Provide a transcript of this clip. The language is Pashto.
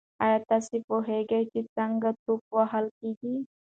ایا تاسي پوهېږئ چې څنګه توپ وهل کیږي؟